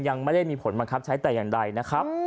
ยังไม่ได้มีผลบังคับใช้แต่อย่างใดนะครับ